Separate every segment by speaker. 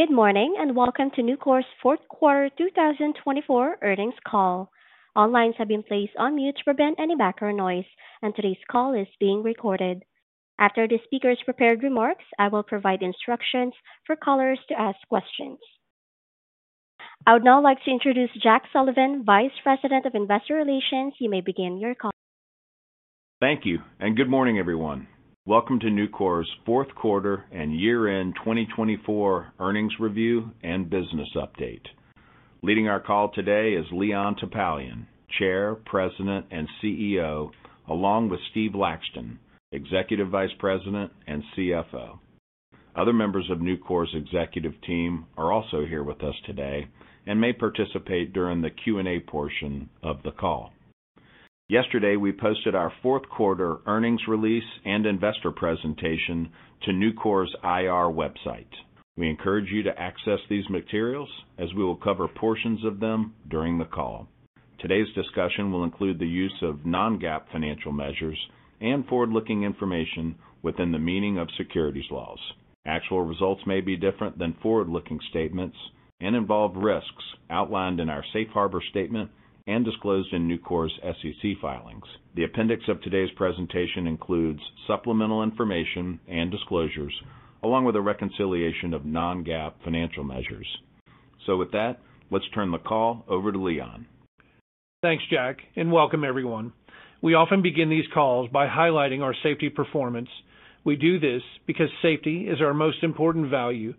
Speaker 1: Good morning and welcome to Nucor's fourth quarter 2024 earnings call. All lines have been placed on mute to prevent any background noise, and today's call is being recorded. After the speaker's prepared remarks, I will provide instructions for callers to ask questions. I would now like to introduce Jack Sullivan, Vice President of Investor Relations. You may begin your call.
Speaker 2: Thank you, and good morning, everyone. Welcome to Nucor's fourth quarter and year-end 2024 earnings review and business update. Leading our call today is Leon Topalian, Chair, President, and CEO, along with Steve Laxton, Executive Vice President and CFO. Other members of Nucor's executive team are also here with us today and may participate during the Q&A portion of the call. Yesterday, we posted our fourth quarter earnings release and investor presentation to Nucor's IR website. We encourage you to access these materials, as we will cover portions of them during the call. Today's discussion will include the use of non-GAAP financial measures and forward-looking information within the meaning of securities laws. Actual results may be different than forward-looking statements and involve risks outlined in our Safe Harbor Statement and disclosed in Nucor's SEC filings. The appendix of today's presentation includes supplemental information and disclosures, along with a reconciliation of non-GAAP financial measures. So with that, let's turn the call over to Leon.
Speaker 3: Thanks, Jack, and welcome, everyone. We often begin these calls by highlighting our safety performance. We do this because safety is our most important value,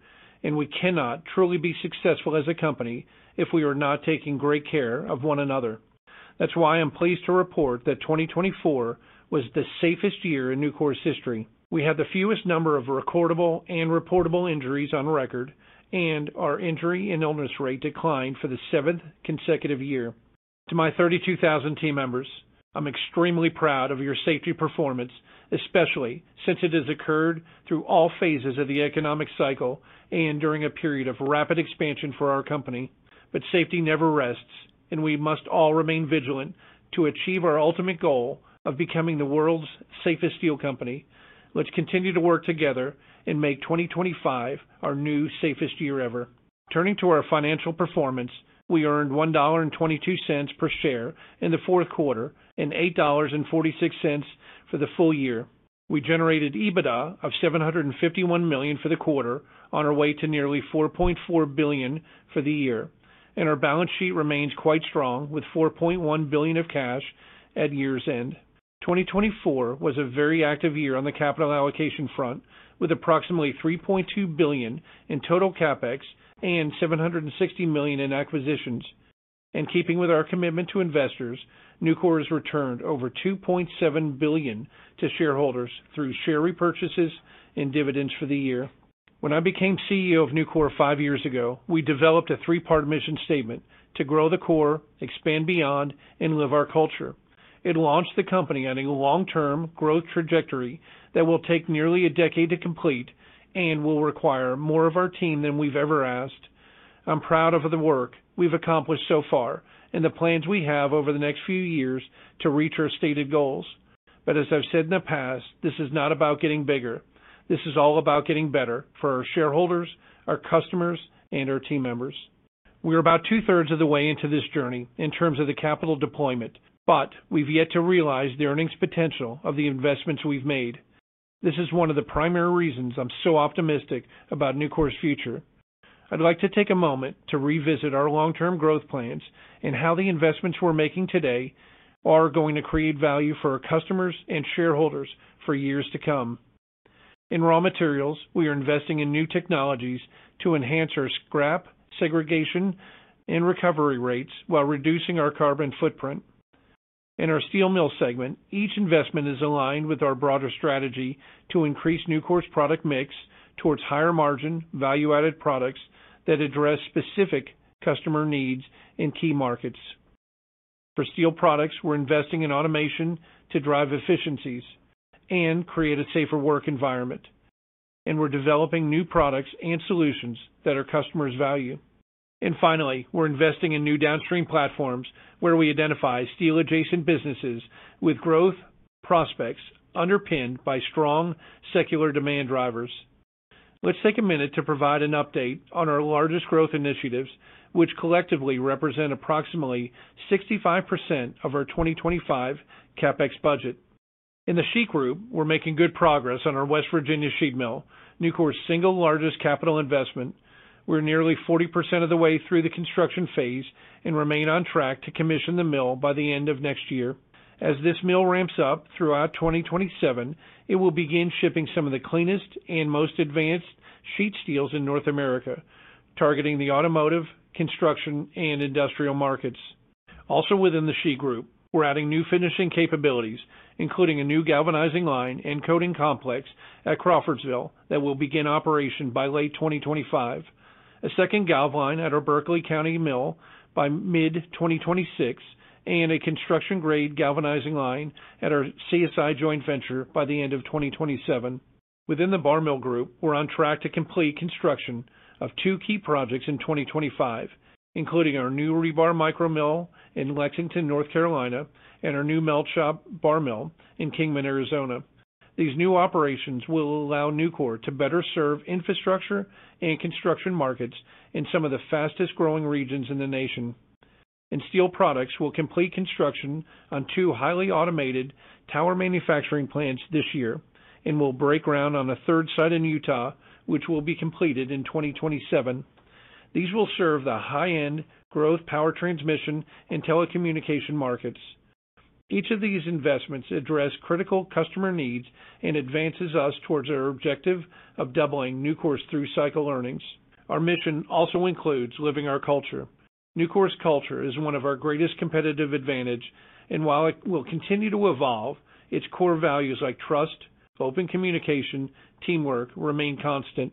Speaker 3: and we cannot truly be successful as a company if we are not taking great care of one another. That's why I'm pleased to report that 2024 was the safest year in Nucor's history. We had the fewest number of recordable and reportable injuries on record, and our injury and illness rate declined for the seventh consecutive year. To my 32,000 team members, I'm extremely proud of your safety performance, especially since it has occurred through all phases of the economic cycle and during a period of rapid expansion for our company. But safety never rests, and we must all remain vigilant to achieve our ultimate goal of becoming the world's safest steel company. Let's continue to work together and make 2025 our new safest year ever. Turning to our financial performance, we earned $1.22 per share in the fourth quarter and $8.46 for the full year. We generated EBITDA of $751 million for the quarter, on our way to nearly $4.4 billion for the year, and our balance sheet remains quite strong with $4.1 billion of cash at year's end. 2024 was a very active year on the capital allocation front, with approximately $3.2 billion in total CapEx and $760 million in acquisitions. In keeping with our commitment to investors, Nucor has returned over $2.7 billion to shareholders through share repurchases and dividends for the year. When I became CEO of Nucor five years ago, we developed a three-part mission statement to grow the core, expand beyond, and live our culture. It launched the company on a long-term growth trajectory that will take nearly a decade to complete and will require more of our team than we've ever asked. I'm proud of the work we've accomplished so far and the plans we have over the next few years to reach our stated goals. But as I've said in the past, this is not about getting bigger. This is all about getting better for our shareholders, our customers, and our team members. We are about two-thirds of the way into this journey in terms of the capital deployment, but we've yet to realize the earnings potential of the investments we've made. This is one of the primary reasons I'm so optimistic about Nucor's future. I'd like to take a moment to revisit our long-term growth plans and how the investments we're making today are going to create value for our customers and shareholders for years to come. In raw materials, we are investing in new technologies to enhance our scrap segregation and recovery rates while reducing our carbon footprint. In our Steel Mills segment, each investment is aligned with our broader strategy to increase Nucor's product mix towards higher margin value-added products that address specific customer needs and key markets. For Steel Products, we're investing in automation to drive efficiencies and create a safer work environment, and we're developing new products and solutions that our customers value, and finally, we're investing in new downstream platforms where we identify steel-adjacent businesses with growth prospects underpinned by strong secular demand drivers. Let's take a minute to provide an update on our largest growth initiatives, which collectively represent approximately 65% of our 2025 CapEx budget. In the Sheet Group, we're making good progress on our West Virginia sheet mill, Nucor's single largest capital investment. We're nearly 40% of the way through the construction phase and remain on track to commission the mill by the end of next year. As this mill ramps up throughout 2027, it will begin shipping some of the cleanest and most advanced sheet steels in North America, targeting the automotive, construction, and industrial markets. Also within the sheet group, we're adding new finishing capabilities, including a new galvanizing line and coating complex at Crawfordsville that will begin operation by late 2025, a second Galv line at our Berkeley County mill by mid-2026, and a construction-grade galvanizing line at our CSI joint venture by the end of 2027. Within the Bar Mill Group, we're on track to complete construction of two key projects in 2025, including our new rebar micro mill in Lexington, North Carolina, and our new melt shop Bar Mill in Kingman, Arizona. These new operations will allow Nucor to better serve infrastructure and construction markets in some of the fastest-growing regions in the nation, and steel products will complete construction on two highly automated tower manufacturing plants this year and will break ground on a third site in Utah, which will be completed in 2027. These will serve the high-end growth power transmission and telecommunication markets. Each of these investments address critical customer needs and advances us toward our objective of doubling Nucor's through-cycle earnings. Our mission also includes living our culture. Nucor's culture is one of our greatest competitive advantages, and while it will continue to evolve, its core values like trust, open communication, and teamwork remain constant.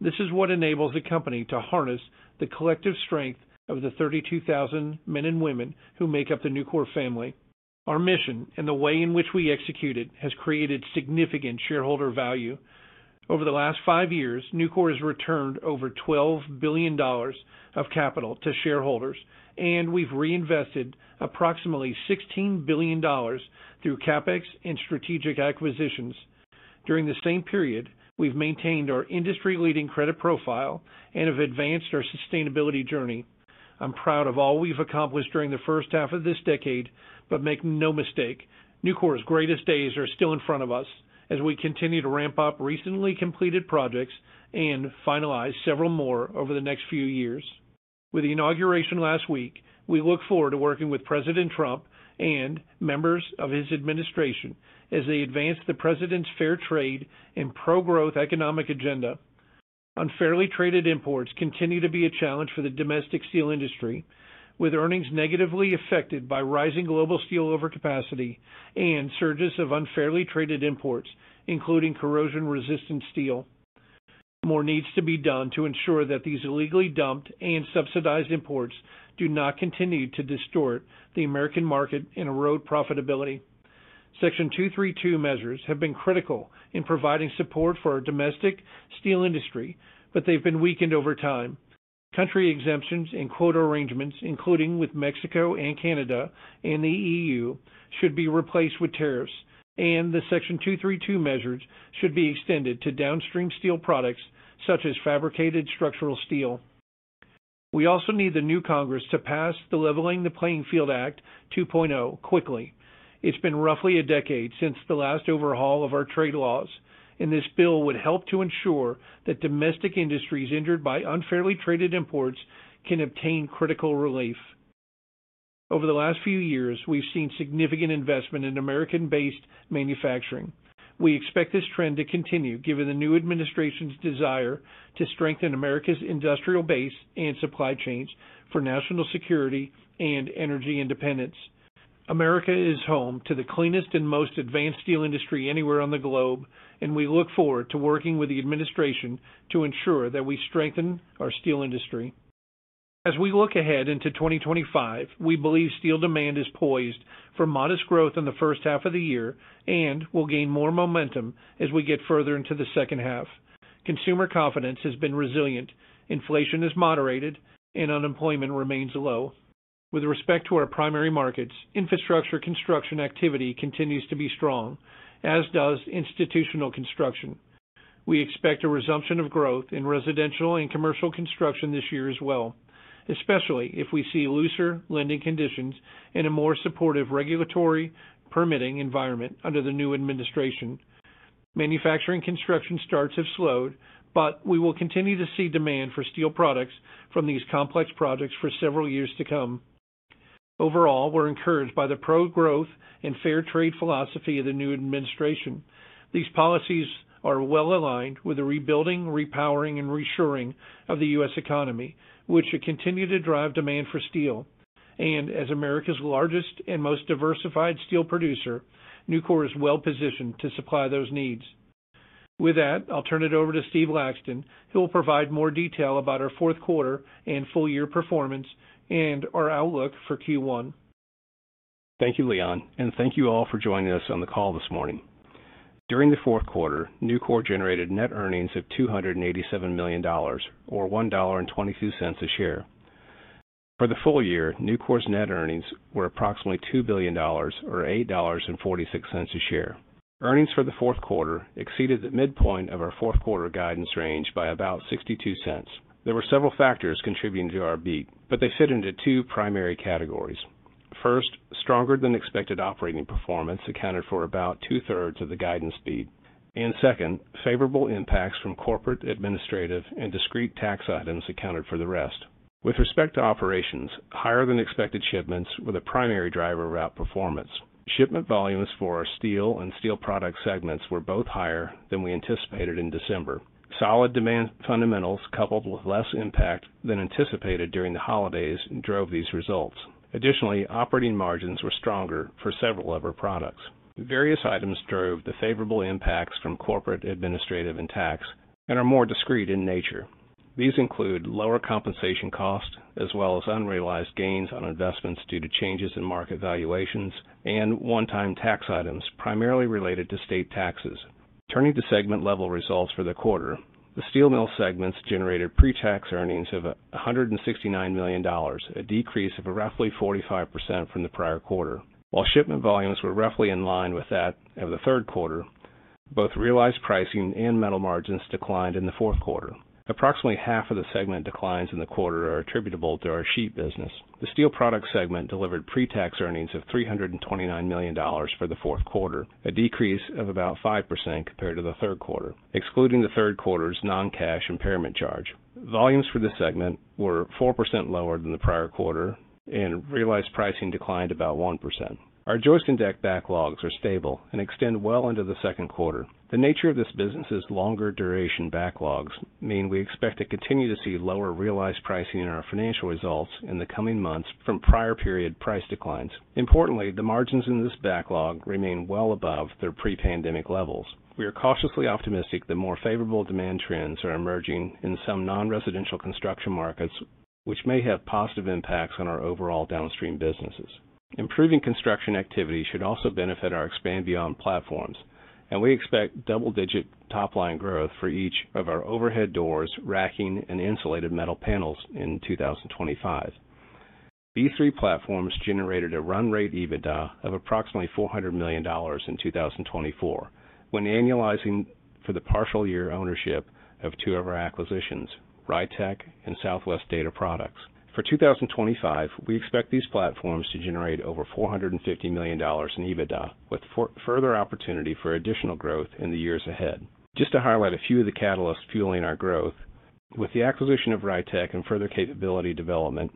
Speaker 3: This is what enables the company to harness the collective strength of the 32,000 men and women who make up the Nucor family. Our mission and the way in which we execute it has created significant shareholder value. Over the last five years, Nucor has returned over $12 billion of capital to shareholders, and we've reinvested approximately $16 billion through CapEx and strategic acquisitions. During the same period, we've maintained our industry-leading credit profile and have advanced our sustainability journey. I'm proud of all we've accomplished during the first half of this decade, but make no mistake, Nucor's greatest days are still in front of us as we continue to ramp up recently completed projects and finalize several more over the next few years. With the inauguration last week, we look forward to working with President Trump and members of his administration as they advance the President's fair trade and pro-growth economic agenda. Unfairly traded imports continue to be a challenge for the domestic steel industry, with earnings negatively affected by rising global steel overcapacity and surges of unfairly traded imports, including corrosion-resistant steel. More needs to be done to ensure that these illegally dumped and subsidized imports do not continue to distort the American market and erode profitability. Section 232 measures have been critical in providing support for our domestic steel industry, but they've been weakened over time. Country exemptions and quota arrangements, including with Mexico and Canada and the EU, should be replaced with tariffs, and the Section 232 measures should be extended to downstream steel products such as fabricated structural steel. We also need the new Congress to pass the Leveling the Playing Field 2.0 Act quickly. It's been roughly a decade since the last overhaul of our trade laws, and this bill would help to ensure that domestic industries injured by unfairly traded imports can obtain critical relief. Over the last few years, we've seen significant investment in American-based manufacturing. We expect this trend to continue given the new administration's desire to strengthen America's industrial base and supply chains for national security and energy independence. America is home to the cleanest and most advanced steel industry anywhere on the globe, and we look forward to working with the administration to ensure that we strengthen our steel industry. As we look ahead into 2025, we believe steel demand is poised for modest growth in the first half of the year and will gain more momentum as we get further into the second half. Consumer confidence has been resilient, inflation is moderated, and unemployment remains low. With respect to our primary markets, infrastructure construction activity continues to be strong, as does institutional construction. We expect a resumption of growth in residential and commercial construction this year as well, especially if we see looser lending conditions and a more supportive regulatory permitting environment under the new administration. Manufacturing construction starts have slowed, but we will continue to see demand for steel products from these complex projects for several years to come. Overall, we're encouraged by the pro-growth and fair trade philosophy of the new administration. These policies are well aligned with the rebuilding, repowering, and reshoring of the U.S. economy, which should continue to drive demand for steel. And as America's largest and most diversified steel producer, Nucor is well positioned to supply those needs. With that, I'll turn it over to Steve Laxton, who will provide more detail about our fourth quarter and full-year performance and our outlook for Q1.
Speaker 4: Thank you, Leon, and thank you all for joining us on the call this morning. During the fourth quarter, Nucor generated net earnings of $287 million, or $1.22 a share. For the full year, Nucor's net earnings were approximately $2 billion, or $8.46 a share. Earnings for the fourth quarter exceeded the midpoint of our fourth quarter guidance range by about $0.62. There were several factors contributing to our beat, but they fit into two primary categories. First, stronger-than-expected operating performance accounted for about two-thirds of the guidance beat. And second, favorable impacts from corporate, administrative, and discrete tax items accounted for the rest. With respect to operations, higher-than-expected shipments were the primary driver of our performance. Shipment volumes for our steel and steel product segments were both higher than we anticipated in December. Solid demand fundamentals coupled with less impact than anticipated during the holidays drove these results. Additionally, operating margins were stronger for several of our products. Various items drove the favorable impacts from corporate, administrative, and tax, and are more discrete in nature. These include lower compensation costs as well as unrealized gains on investments due to changes in market valuations and one-time tax items primarily related to state taxes. Turning to segment-level results for the quarter, the steel mill segments generated pre-tax earnings of $169 million, a decrease of roughly 45% from the prior quarter. While shipment volumes were roughly in line with that of the third quarter, both realized pricing and metal margins declined in the fourth quarter. Approximately half of the segment declines in the quarter are attributable to our sheet business. The steel product segment delivered pre-tax earnings of $329 million for the fourth quarter, a decrease of about 5% compared to the third quarter, excluding the third quarter's non-cash impairment charge. Volumes for the segment were 4% lower than the prior quarter, and realized pricing declined about 1%. Our joist and deck backlogs are stable and extend well into the second quarter. The nature of this business's longer duration backlogs means we expect to continue to see lower realized pricing in our financial results in the coming months from prior period price declines. Importantly, the margins in this backlog remain well above their pre-pandemic levels. We are cautiously optimistic that more favorable demand trends are emerging in some non-residential construction markets, which may have positive impacts on our overall downstream businesses. Improving construction activity should also benefit our expand-beyond platforms, and we expect double-digit top-line growth for each of our overhead doors, racking, and insulated metal panels in 2025. B3 platforms generated a run-rate EBITDA of approximately $400 million in 2024 when annualizing for the partial-year ownership of two of our acquisitions, Rytec and Southwest Data Products. For 2025, we expect these platforms to generate over $450 million in EBITDA, with further opportunity for additional growth in the years ahead. Just to highlight a few of the catalysts fueling our growth, with the acquisition of Rytec and further capability development,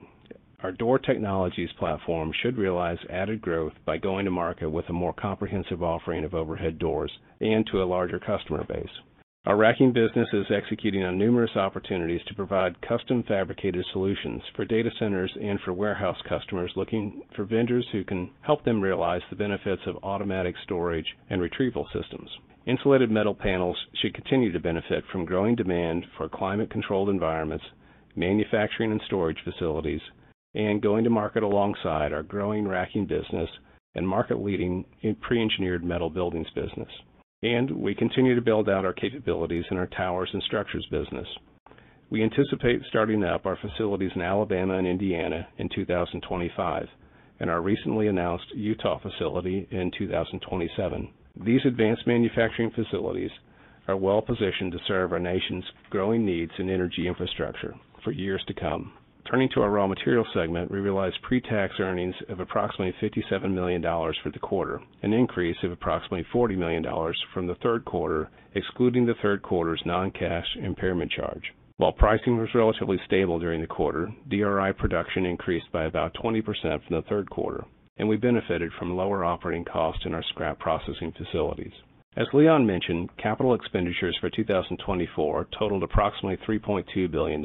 Speaker 4: our door technologies platform should realize added growth by going to market with a more comprehensive offering of overhead doors and to a larger customer base. Our racking business is executing on numerous opportunities to provide custom fabricated solutions for data centers and for warehouse customers looking for vendors who can help them realize the benefits of automatic storage and retrieval systems. Insulated metal panels should continue to benefit from growing demand for climate-controlled environments, manufacturing and storage facilities, and going to market alongside our growing racking business and market-leading pre-engineered metal buildings business, and we continue to build out our capabilities in our towers and structures business. We anticipate starting up our facilities in Alabama and Indiana in 2025 and our recently announced Utah facility in 2027. These advanced manufacturing facilities are well positioned to serve our nation's growing needs in energy infrastructure for years to come. Turning to our Raw Materials segment, we realized pre-tax earnings of approximately $57 million for the quarter, an increase of approximately $40 million from the third quarter, excluding the third quarter's non-cash impairment charge. While pricing was relatively stable during the quarter, DRI production increased by about 20% from the third quarter, and we benefited from lower operating costs in our scrap processing facilities. As Leon mentioned, capital expenditures for 2024 totaled approximately $3.2 billion.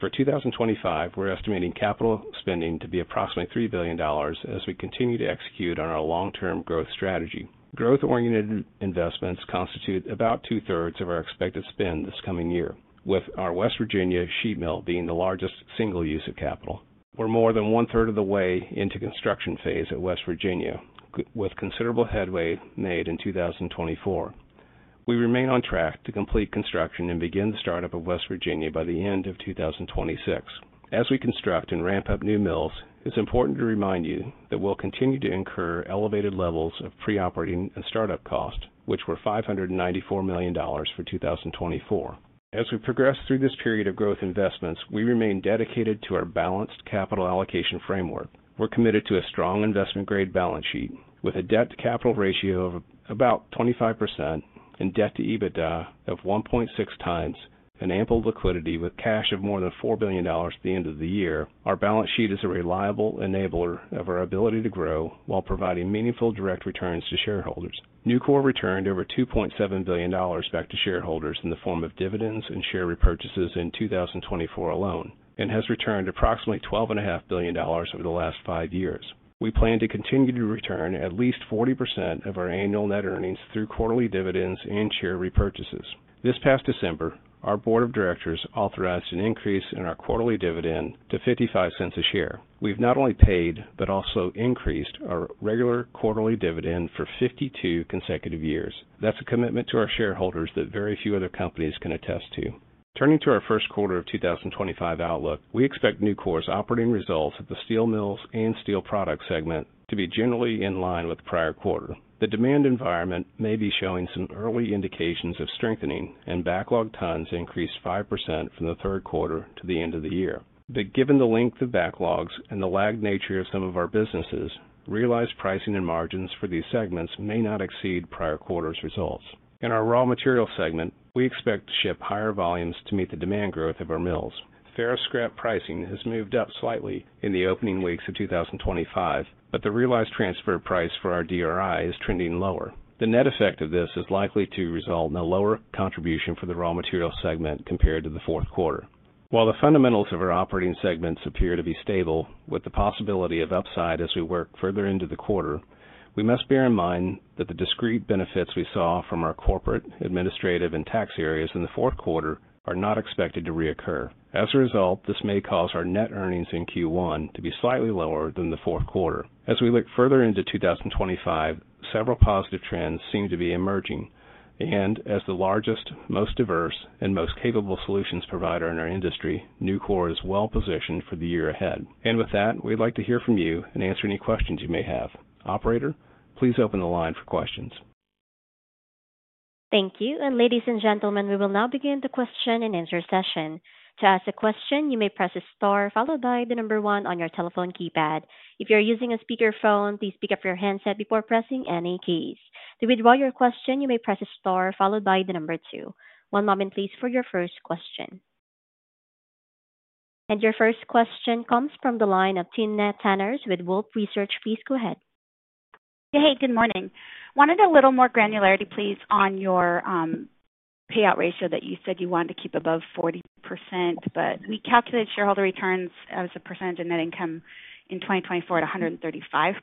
Speaker 4: For 2025, we're estimating capital spending to be approximately $3 billion as we continue to execute on our long-term growth strategy. Growth-oriented investments constitute about two-thirds of our expected spend this coming year, with our West Virginia sheet mill being the largest single-use of capital. We're more than one-third of the way into construction phase at West Virginia, with considerable headway made in 2024. We remain on track to complete construction and begin the startup of West Virginia by the end of 2026. As we construct and ramp up new mills, it's important to remind you that we'll continue to incur elevated levels of pre-operating and startup cost, which were $594 million for 2024. As we progress through this period of growth investments, we remain dedicated to our balanced capital allocation framework. We're committed to a strong investment-grade balance sheet with a debt-to-capital ratio of about 25% and debt-to-EBITDA of 1.6 times and ample liquidity with cash of more than $4 billion at the end of the year. Our balance sheet is a reliable enabler of our ability to grow while providing meaningful direct returns to shareholders. Nucor returned over $2.7 billion back to shareholders in the form of dividends and share repurchases in 2024 alone and has returned approximately $12.5 billion over the last five years. We plan to continue to return at least 40% of our annual net earnings through quarterly dividends and share repurchases. This past December, our board of directors authorized an increase in our quarterly dividend to $0.55 a share. We've not only paid but also increased our regular quarterly dividend for 52 consecutive years. That's a commitment to our shareholders that very few other companies can attest to. Turning to our first quarter of 2025 outlook, we expect Nucor's operating results at the steel mills and steel products segment to be generally in line with the prior quarter. The demand environment may be showing some early indications of strengthening, and backlog tons increased 5% from the third quarter to the end of the year. But given the length of backlogs and the lagged nature of some of our businesses, realized pricing and margins for these segments may not exceed prior quarter's results. In our raw material segment, we expect to ship higher volumes to meet the demand growth of our mills. Ferrous scrap pricing has moved up slightly in the opening weeks of 2025, but the realized transfer price for our DRI is trending lower. The net effect of this is likely to result in a lower contribution for the raw material segment compared to the fourth quarter. While the fundamentals of our operating segments appear to be stable, with the possibility of upside as we work further into the quarter, we must bear in mind that the discrete benefits we saw from our corporate, administrative, and tax areas in the fourth quarter are not expected to reoccur. As a result, this may cause our net earnings in Q1 to be slightly lower than the fourth quarter. As we look further into 2025, several positive trends seem to be emerging, and as the largest, most diverse, and most capable solutions provider in our industry, Nucor is well positioned for the year ahead, and with that, we'd like to hear from you and answer any questions you may have. Operator, please open the line for questions.
Speaker 1: Thank you. Ladies and gentlemen, we will now begin the question and answer session. To ask a question, you may press a star followed by the number one on your telephone keypad. If you're using a speakerphone, please pick up your handset before pressing any keys. To withdraw your question, you may press a star followed by the number two. One moment, please, for your first question. Your first question comes from the line of Timna Tanners with Wolfe Research. Please go ahead.
Speaker 5: Hey, good morning. Wanted a little more granularity, please, on your payout ratio that you said you wanted to keep above 40%. But we calculate shareholder returns as a percentage of net income in 2024 at 135%.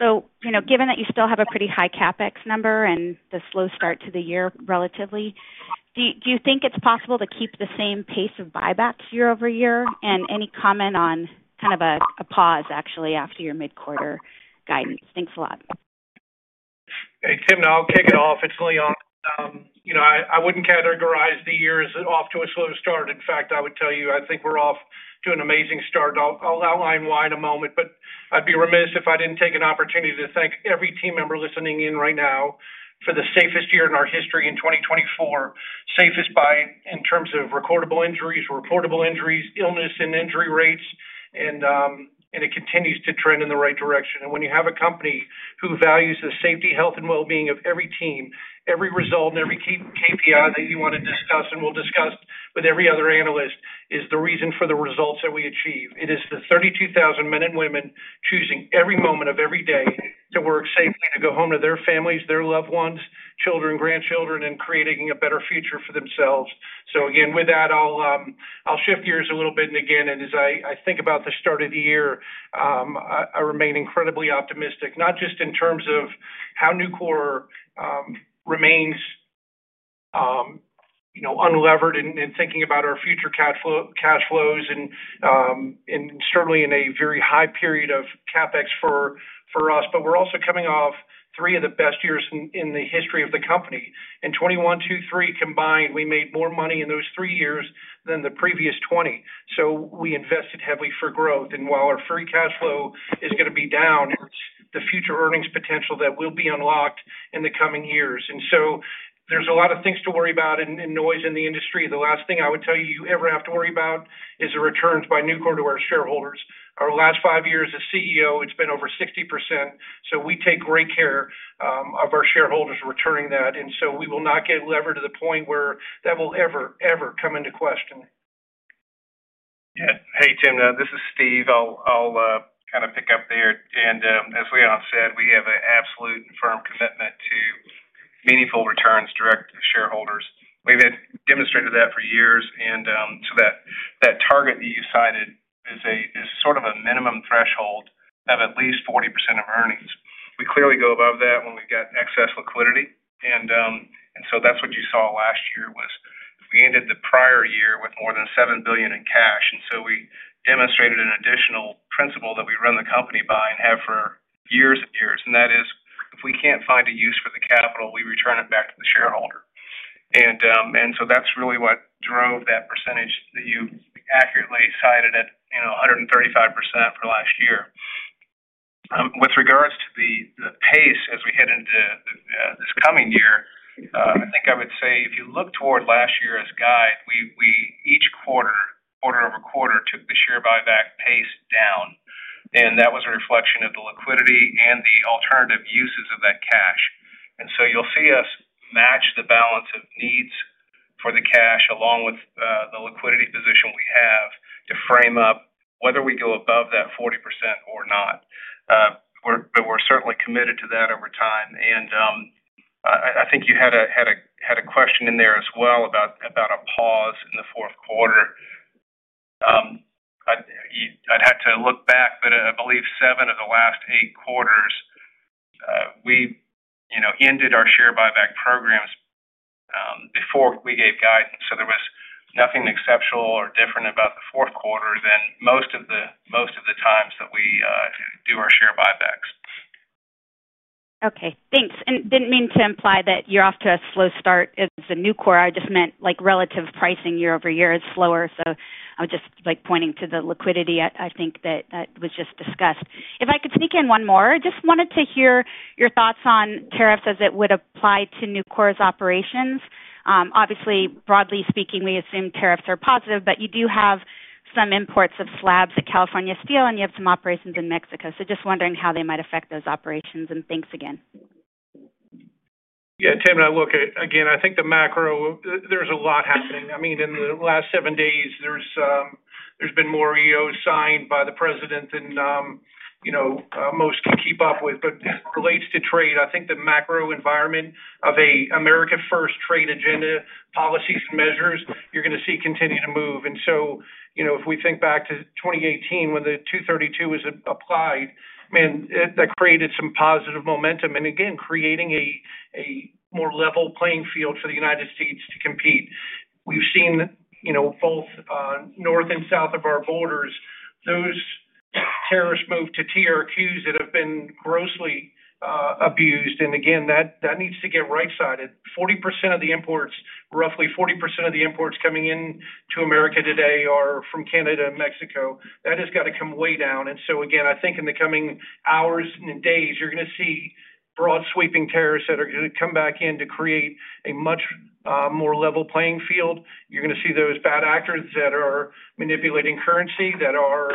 Speaker 5: So given that you still have a pretty high CapEx number and the slow start to the year relatively, do you think it's possible to keep the same pace of buybacks year over year? And any comment on kind of a pause, actually, after your mid-quarter guidance? Thanks a lot.
Speaker 3: Hey, Tim, I'll kick it off. It's Leon. I wouldn't categorize the year as off to a slow start. In fact, I would tell you I think we're off to an amazing start. I'll outline why in a moment, but I'd be remiss if I didn't take an opportunity to thank every team member listening in right now for the safest year in our history in 2024, safest by in terms of recordable injuries, reportable injuries, illness, and injury rates. And it continues to trend in the right direction. And when you have a company who values the safety, health, and well-being of every team, every result, and every KPI that you want to discuss and will discuss with every other analyst is the reason for the results that we achieve. It is the 32,000 men and women choosing every moment of every day to work safely to go home to their families, their loved ones, children, grandchildren, and creating a better future for themselves. So again, with that, I'll shift gears a little bit. And again, as I think about the start of the year, I remain incredibly optimistic, not just in terms of how Nucor remains unlevered in thinking about our future cash flows and certainly in a very high period of CapEx for us. But we're also coming off three of the best years in the history of the company. In 2021, 2023 combined, we made more money in those three years than the previous 20. So we invested heavily for growth. And while our free cash flow is going to be down, it's the future earnings potential that will be unlocked in the coming years. And so there's a lot of things to worry about and noise in the industry. The last thing I would tell you ever have to worry about is the returns by Nucor to our shareholders. Our last five years as CEO, it's been over 60%. So we take great care of our shareholders returning that. And so we will not get levered to the point where that will ever, ever come into question.
Speaker 4: Yeah. Hey, Tim, this is Steve. I'll kind of pick up there. And as Leon said, we have an absolute and firm commitment to meaningful returns direct to shareholders. We've demonstrated that for years. And so that target that you cited is sort of a minimum threshold of at least 40% of earnings. We clearly go above that when we've got excess liquidity. And so that's what you saw last year was we ended the prior year with more than $7 billion in cash. And so we demonstrated an additional principle that we run the company by and have for years and years. And that is if we can't find a use for the capital, we return it back to the shareholder. And so that's really what drove that percentage that you accurately cited at 135% for last year. With regards to the pace as we head into this coming year, I think I would say if you look toward last year as guide, we each quarter, quarter over quarter, took the share buyback pace down. And that was a reflection of the liquidity and the alternative uses of that cash. And so you'll see us match the balance of needs for the cash along with the liquidity position we have to frame up whether we go above that 40% or not. But we're certainly committed to that over time. And I think you had a question in there as well about a pause in the fourth quarter. I'd had to look back, but I believe seven of the last eight quarters, we ended our share buyback programs before we gave guidance. There was nothing exceptional or different about the fourth quarter than most of the times that we do our share buybacks.
Speaker 5: Okay. Thanks. And I didn't mean to imply that you're off to a slow start at Nucor. I just meant relative pricing year over year is slower. So I was just pointing to the liquidity, I think, that was just discussed. If I could sneak in one more, I just wanted to hear your thoughts on tariffs as it would apply to Nucor's operations. Obviously, broadly speaking, we assume tariffs are positive, but you do have some imports of slabs at California Steel, and you have some operations in Mexico. So just wondering how they might affect those operations. And thanks again.
Speaker 3: Yeah. Tim, I look at again, I think the macro, there's a lot happening. I mean, in the last seven days, there's been more EOs signed by the president than most can keep up with. But as it relates to trade, I think the macro environment of an America First trade agenda, policies and measures, you're going to see continue to move. And so if we think back to 2018 when the 232 was applied, man, that created some positive momentum. And again, creating a more level playing field for the United States to compete. We've seen both north and south of our borders, those tariffs moved to TRQs that have been grossly abused. And again, that needs to get right-sided. Roughly 40% of the imports coming into America today are from Canada and Mexico. That has got to come way down. And so again, I think in the coming hours and days, you're going to see broad sweeping tariffs that are going to come back in to create a much more level playing field. You're going to see those bad actors that are manipulating currency, that are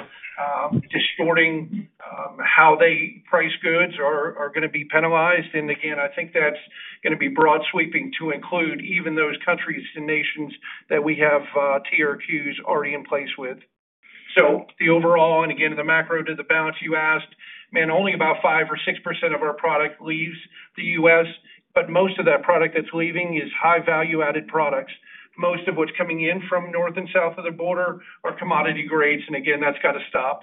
Speaker 3: distorting how they price goods are going to be penalized. And again, I think that's going to be broad sweeping to include even those countries and nations that we have TRQs already in place with. So the overall, and again, the macro to the balance you asked, man, only about 5% or 6% of our product leaves the U.S. But most of that product that's leaving is high-value-added products. Most of what's coming in from north and south of the border are commodity grades. And again, that's got to stop.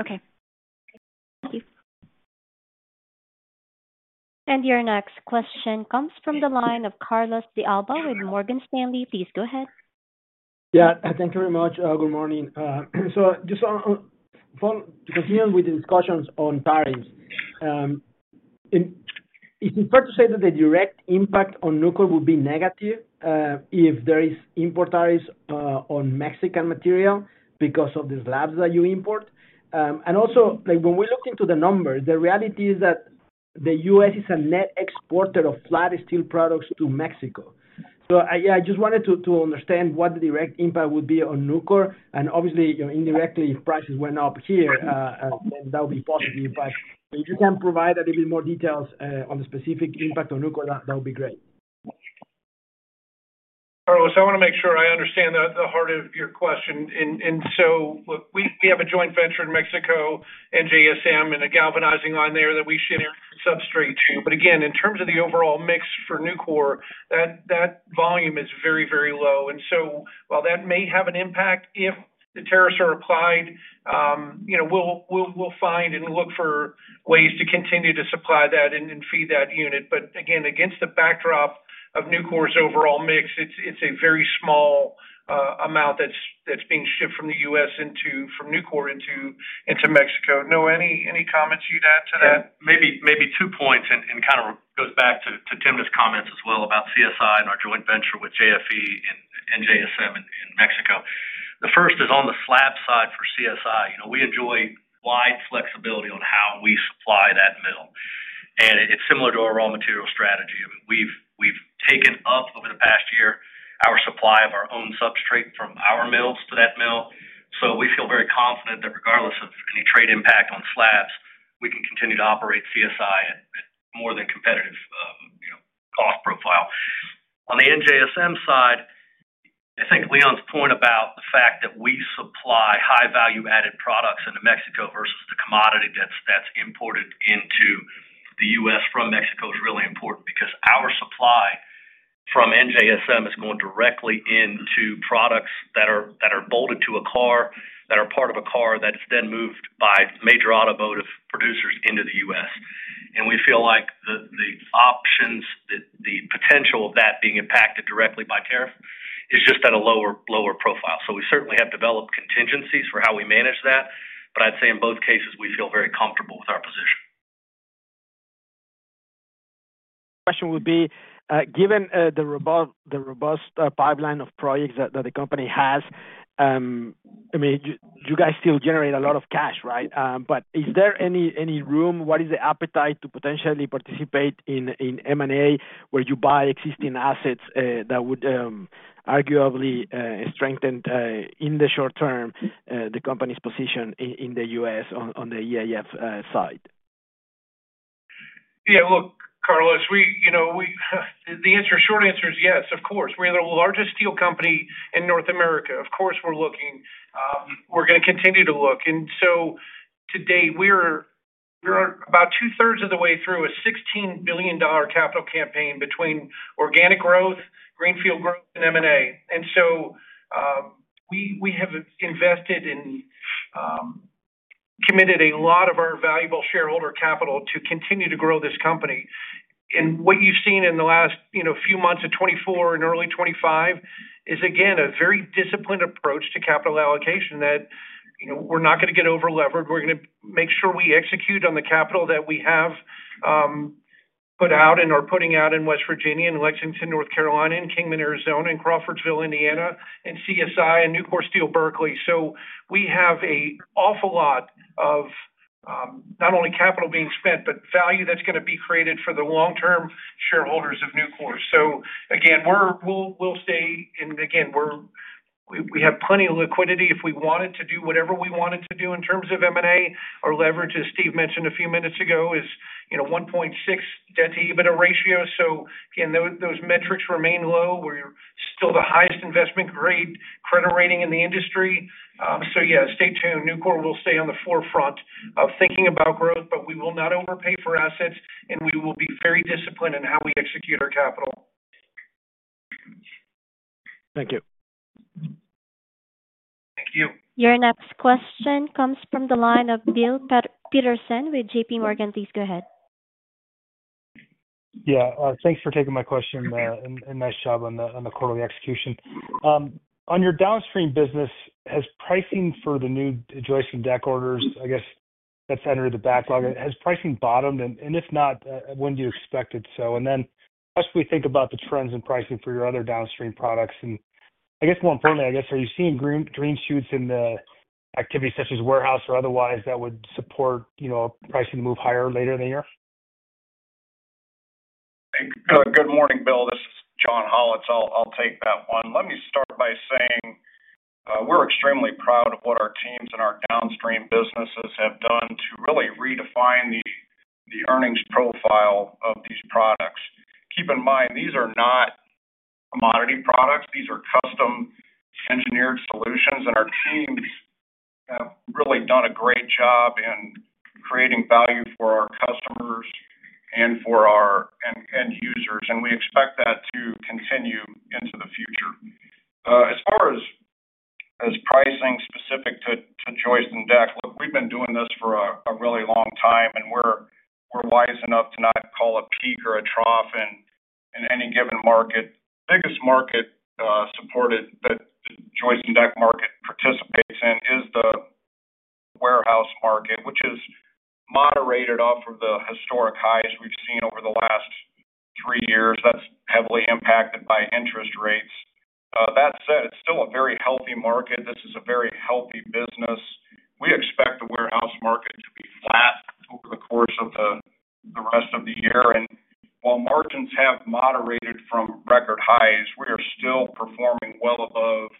Speaker 5: Okay. Thank you.
Speaker 1: And your next question comes from the line of Carlos de Alba with Morgan Stanley. Please go ahead.
Speaker 6: Yeah. Thank you very much. Good morning. So just to continue with the discussions on tariffs, it's important to say that the direct impact on Nucor will be negative if there is import tariffs on Mexican material because of the slabs that you import. And also, when we looked into the numbers, the reality is that the U.S. is a net exporter of flat steel products to Mexico. So yeah, I just wanted to understand what the direct impact would be on Nucor. And obviously, indirectly, if prices went up here, then that would be positive. But if you can provide a little bit more details on the specific impact on Nucor, that would be great.
Speaker 3: Carlos, I want to make sure I understand the heart of your question. And so we have a joint venture in Mexico and NJSM and a galvanizing line there that we ship substrate to. But again, in terms of the overall mix for Nucor, that volume is very, very low. And so while that may have an impact if the tariffs are applied, we'll find and look for ways to continue to supply that and feed that unit. But again, against the backdrop of Nucor's overall mix, it's a very small amount that's being shipped from the U.S. from Nucor into Mexico. Noah, any comments you'd add to that?
Speaker 7: Maybe two points, and kind of goes back to Tim's comments as well about CSI and our joint venture with JFE and JSM in Mexico. The first is on the slab side for CSI. We enjoy wide flexibility on how we supply that mill, and it's similar to our raw material strategy. We've taken up over the past year our supply of our own substrate from our mills to that mill, so we feel very confident that regardless of any trade impact on slabs, we can continue to operate CSI at more than competitive cost profile. On the NJSM side, I think Leon's point about the fact that we supply high-value-added products into Mexico versus the commodity that's imported into the U.S. from Mexico is really important because our supply from NJSM is going directly into products that are bolted to a car, that are part of a car that is then moved by major automotive producers into the U.S. And we feel like the options, the potential of that being impacted directly by tariff is just at a lower profile. So we certainly have developed contingencies for how we manage that. But I'd say in both cases, we feel very comfortable with our position.
Speaker 6: Question would be, given the robust pipeline of projects that the company has, I mean, you guys still generate a lot of cash, right? But is there any room? What is the appetite to potentially participate in M&A where you buy existing assets that would arguably strengthen in the short term the company's position in the U.S. on the EAF side?
Speaker 3: Yeah. Look, Carlos, the short answer is yes, of course. We're the largest steel company in North America. Of course, we're looking. We're going to continue to look. And so today, we're about two-thirds of the way through a $16 billion capital campaign between organic growth, greenfield growth, and M&A. And so we have invested and committed a lot of our valuable shareholder capital to continue to grow this company. And what you've seen in the last few months of 2024 and early 2025 is, again, a very disciplined approach to capital allocation that we're not going to get over-levered. We're going to make sure we execute on the capital that we have put out and are putting out in West Virginia and Lexington, North Carolina, and Kingman, Arizona, and Crawfordsville, Indiana, and CSI and Nucor Steel Berkeley. So we have an awful lot of not only capital being spent, but value that's going to be created for the long-term shareholders of Nucor. So again, we'll stay. And again, we have plenty of liquidity if we wanted to do whatever we wanted to do in terms of M&A or leverage, as Steve mentioned a few minutes ago, is 1.6 debt-to-EBITDA ratio. So again, those metrics remain low. We're still the highest investment-grade credit rating in the industry. So yeah, stay tuned. Nucor will stay on the forefront of thinking about growth, but we will not overpay for assets. And we will be very disciplined in how we execute our capital.
Speaker 6: Thank you.
Speaker 4: Your next question comes from the line of Bill Peterson with JPMorgan. Please go ahead.
Speaker 8: Yeah. Thanks for taking my question. And nice job on the quarterly execution. On your downstream business, has pricing for the new joist and deck orders, I guess that's under the backlog, has pricing bottomed? And if not, when do you expect it to? And then as we think about the trends in pricing for your other downstream products, and I guess more importantly, I guess, are you seeing green shoots in activities such as warehouse or otherwise that would support pricing to move higher later in the year?
Speaker 9: Good morning, Bill. This is John Hollatz. I'll take that one. Let me start by saying we're extremely proud of what our teams and our downstream businesses have done to really redefine the earnings profile of these products. Keep in mind, these are not commodity products. These are custom-engineered solutions. Our teams have really done a great job in creating value for our customers and for our end users. We expect that to continue into the future. As far as pricing specific to joist and deck, look, we've been doing this for a really long time. We're wise enough to not call a peak or a trough in any given market. The biggest market that the joist and deck market participates in is the warehouse market, which is moderated off of the historic highs we've seen over the last three years. That's heavily impacted by interest rates. That said, it's still a very healthy market. This is a very healthy business. We expect the warehouse market to be flat over the course of the rest of the year. And while margins have moderated from record highs, we are still performing well above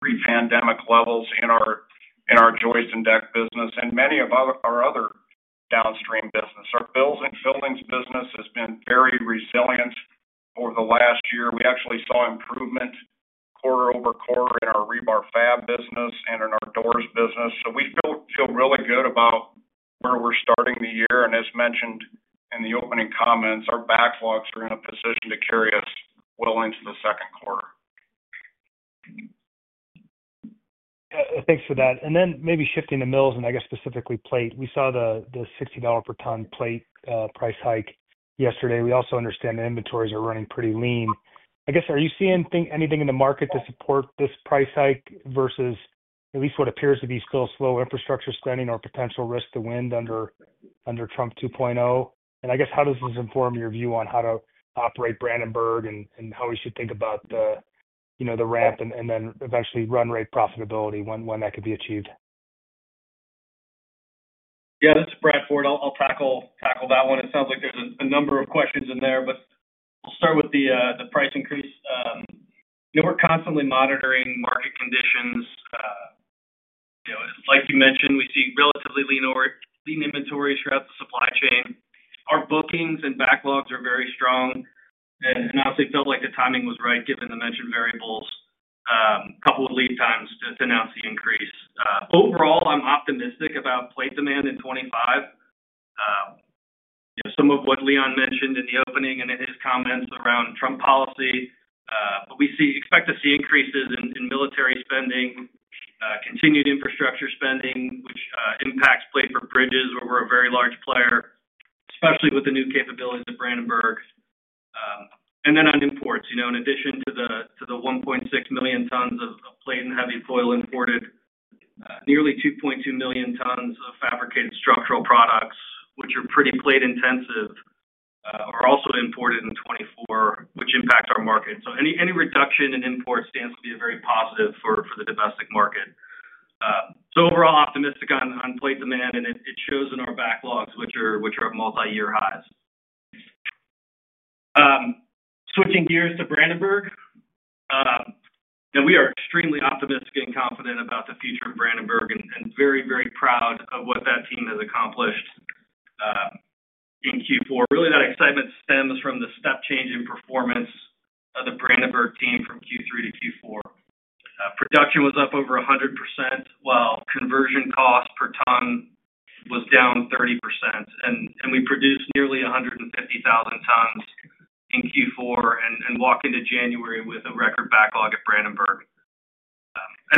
Speaker 9: pre-pandemic levels in our joist and deck business and many of our other downstream business. Our buildings business has been very resilient over the last year. We actually saw improvement quarter over quarter in our rebar fab business and in our doors business. So we feel really good about where we're starting the year. And as mentioned in the opening comments, our backlogs are in a position to carry us well into the second quarter.
Speaker 8: Thanks for that. Then maybe shifting to mills, and I guess specifically plate. We saw the $60 per ton plate price hike yesterday. We also understand the inventories are running pretty lean. I guess, are you seeing anything in the market to support this price hike versus at least what appears to be still slow infrastructure spending or potential risk to wind under Trump 2.0? And I guess, how does this inform your view on how to operate Brandenburg and how we should think about the ramp and then eventually run rate profitability when that could be achieved?
Speaker 10: Yeah. That's Brad Ford. I'll tackle that one. It sounds like there's a number of questions in there, but we'll start with the price increase. We're constantly monitoring market conditions. Like you mentioned, we see relatively lean inventories throughout the supply chain. Our bookings and backlogs are very strong. And honestly, it felt like the timing was right given the mentioned variables, a couple of lead times to announce the increase. Overall, I'm optimistic about plate demand in 2025, some of what Leon mentioned in the opening and in his comments around Trump policy. But we expect to see increases in military spending, continued infrastructure spending, which impacts plate for bridges where we're a very large player, especially with the new capabilities of Brandenburg. And then on imports, in addition to the 1.6 million tons of plate and heavy plate imported, nearly 2.2 million tons of fabricated structural products, which are pretty plate-intensive, are also imported in 2024, which impacts our market. So any reduction in imports stands to be very positive for the domestic market. So overall, optimistic on plate demand. And it shows in our backlogs, which are multi-year highs. Switching gears to Brandenburg, we are extremely optimistic and confident about the future of Brandenburg and very, very proud of what that team has accomplished in Q4. Really, that excitement stems from the step-changing performance of the Brandenburg team from Q3 to Q4. Production was up over 100% while conversion cost per ton was down 30%. And we produced nearly 150,000 tons in Q4 and walked into January with a record backlog at Brandenburg.